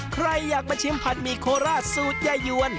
ใครอยากมาชิมผัดหมี่โคราชสูตรยายวน